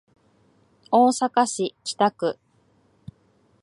大阪市北区